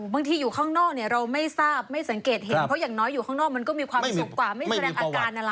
บางทีอยู่ข้างนอกเราไม่ทราบไม่สังเกตเห็นเพราะอย่างน้อยอยู่ข้างนอกมันก็มีความสุขกว่า